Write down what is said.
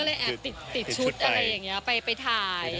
แอบติดชุดอะไรอย่างนี้ไปถ่าย